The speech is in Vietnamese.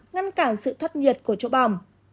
ngăn cản sự thoát nhiệt của chỗ bỏng